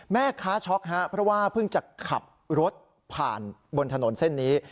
แม่ค้าช็อกฮะเพราะว่าเพิ่งจะขับรถผ่านบนถนนเส้นนี้